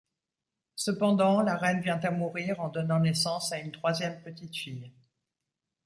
Cependant, la reine vient à mourir en donnant naissance à une troisième petite fille.